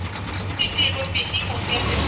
له شيطان نه ځان وساتئ.